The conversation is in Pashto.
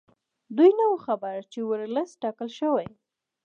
دوی نه وو خبر چې ورلسټ ټاکل شوی.